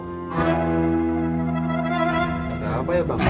gak apa ya bang